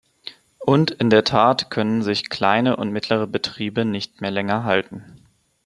Und in der Tat können sich kleine und mittlere Betriebe nicht mehr länger halten.